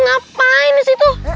om ngapain di situ